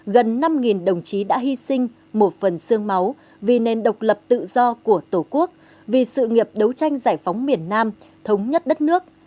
gần năm đồng chí đã hy sinh một phần sương máu vì nền độc lập tự do của tổ quốc vì sự nghiệp đấu tranh giải phóng miền nam thống nhất đất nước